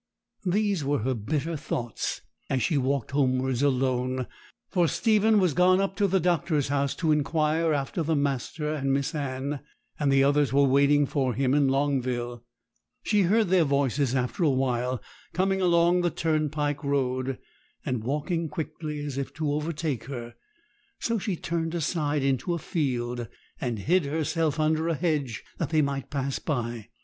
These were her bitter thoughts as she walked homewards alone, for Stephen was gone up to the doctor's house to inquire after the master and Miss Anne, and the others were waiting for him in Longville. She heard their voices after a while coming along the turnpike road, and walking quickly as if to overtake her; so she turned aside into a field, and hid herself under a hedge that they might pass by.